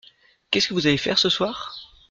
Qu’est-ce que vous allez faire ce soir ?